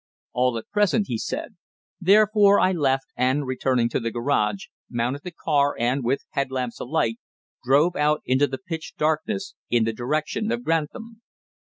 "All at present," he said. Therefore I left and, returning to the garage, mounted the car and, with head lamps alight, drove out into the pitch darkness in the direction of Grantham.